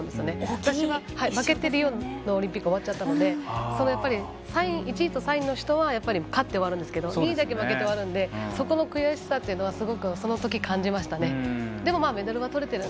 私は負けて、リオオリンピックは終わっちゃったので１位と３位は勝って終わることができますが２位だけ負けて終わるのでその悔しさっていうのはすごく、そのとき感じました。